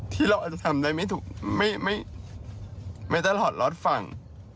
ที่เราอาจจะทำได้ไม่ถูกไม่ไม่ได้หลอดล๊อดฝั่ง